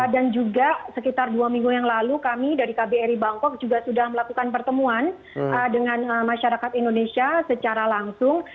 dan juga sekitar dua minggu yang lalu kami dari kbri bangkok juga sudah melakukan pertemuan dengan masyarakat indonesia secara langsung